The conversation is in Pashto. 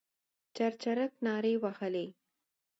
چرچرک نارې وهلې.